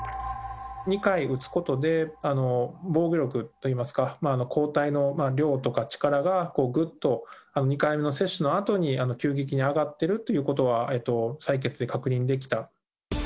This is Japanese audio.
２回打つことで、防御力といいますか、抗体の量とか力がぐっと、２回目の接種のあとに急激に上がってるということは、採血で確認できた。